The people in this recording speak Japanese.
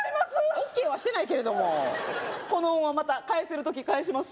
ＯＫはしてないけれどもこの恩はまた返せる時返します